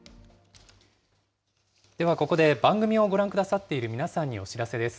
ではここで番組をご覧くださっている皆さんにお知らせです。